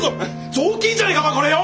雑巾じゃねえかお前これよ！